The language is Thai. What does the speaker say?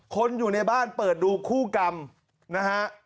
คนอยู่ในบ้านเปิดดูคู่กรรมนะฮะ